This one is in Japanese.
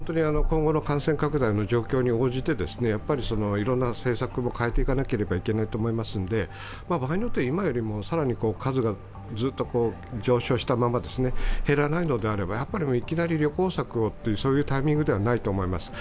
これは今後の感染拡大の状況に応じていろいろな政策も変えていかなければいけないと思いますが、場合によっては今よりも更に数が上昇したまま減らないのであれば、いきなり旅行策をというタイミングではないと思います。